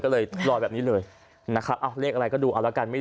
ก็เลยลอยแบบนี้เลยนะครับเอาเลขอะไรก็ดูเอาละกันไม่